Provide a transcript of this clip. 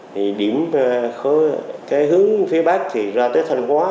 thì hướng phía bắc thì ra tới thanh hóa